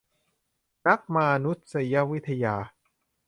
นักมานุษยวิทยา